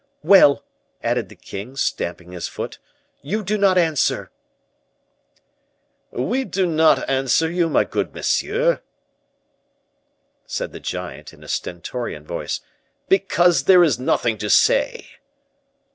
"Well!" added the king, stamping his foot, "you do not answer!" "We do not answer you, my good monsieur," said the giant, in a stentorian voice, "because there is nothing to say."